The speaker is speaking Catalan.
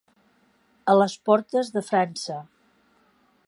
A les portes de França.